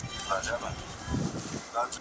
رانه هېرو وو رسېده